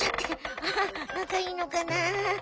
ハハなかいいのかな？